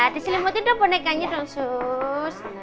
disini mau tidur bonekanya dong sus